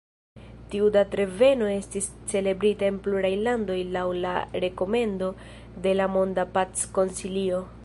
Tiu datreveno estis celebrita en pluraj landoj laŭ la rekomendo de la Monda Pac-Konsilio.